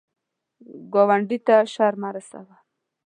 ګاونډي ته شر مه رسوه